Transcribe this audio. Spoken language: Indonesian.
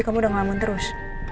kamu udah ngelamun terus